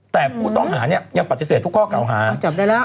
แต่ผู้ต้องหาเนี่ยยังปฏิเสธทุกข้อเก่าหาจับได้แล้ว